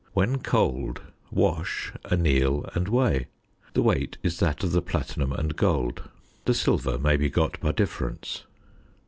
When cold, wash, anneal, and weigh. The weight is that of the platinum and gold. The silver may be got by difference.